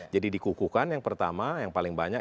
jadi dikukuhkan yang pertama yang paling banyak